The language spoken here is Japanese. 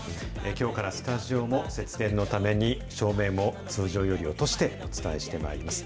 きょうからスタジオも節電のために、照明も通常より落としてお伝えしてまいります。